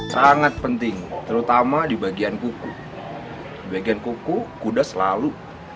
sangat penting terutama di bagian kuku